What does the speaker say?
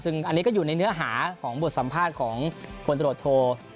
ซึ่งอันนี้ก็อยู่ในเนื้อหาของบทสัมภาษณ์ของพลตรวจโท